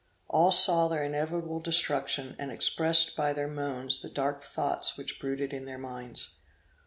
All saw their inevitable destruction, and expressed by their moans the dark thoughts which brooded in their minds.